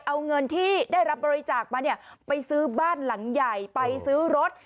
เอาเงินที่ได้รับบริจาคมาเนี่ยไปซื้อบ้านหลังใหญ่ไปซื้อรถ